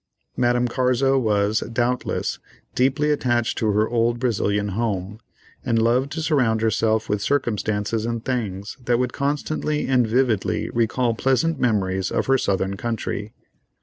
Madame Carzo was, doubtless, deeply attached to her old Brazilian home, and loved to surround herself with circumstances and things that would constantly and vividly recall pleasant memories of her southern country.